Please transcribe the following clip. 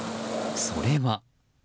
それは。